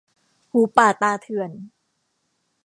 หูป่าตาเถื่อน